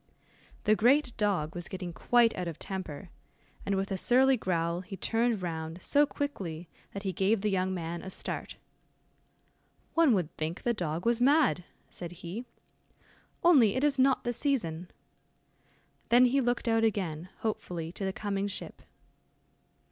The great dog was getting quite out of temper, and, with a surly growl, he turned round so quickly, that he gave the young man a start. "One would think the dog was mad," said he, "only it is not the season." Then he looked out again hopefully to the coming ship.